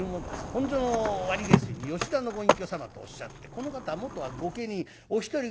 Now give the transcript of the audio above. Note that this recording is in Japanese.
本所の割下水に吉田のご隠居様とおっしゃってこの方は元は御家人お一人暮らし。